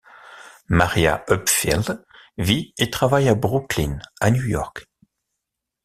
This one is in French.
Maria Hupfield vit et travaille à Brooklyn à New York.